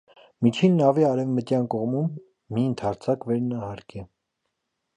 Միջին նավի արևմտյան կողմում մի ընդարձակ վերնահարկ է։